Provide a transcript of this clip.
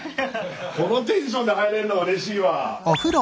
このテンションで入れるのうれしいわ。